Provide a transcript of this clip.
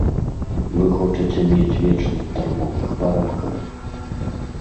Вы хочаце мець вечных дармовых парабкаў?